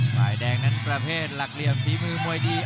ฝ่ายแดงนั้นประเภทหลักเหลี่ยมฝีมือมวยดี